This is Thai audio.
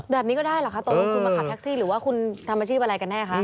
แบบนี้ก็ได้เหรอคะตกลงคุณมาขับแท็กซี่หรือว่าคุณทำอาชีพอะไรกันแน่คะ